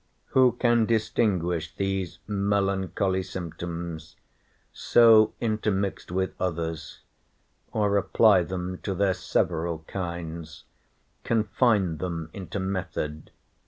Who can distinguish these melancholy symptoms so intermixt with others, or apply them to their several kinds, confine them into method?